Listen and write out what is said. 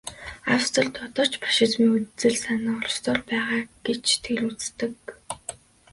Австрид одоо ч фашизмын үзэл санаа оршсоор байгаа гэж тэр үздэг.